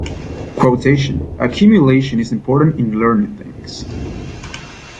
Quotation: Accumulation is important in learning things.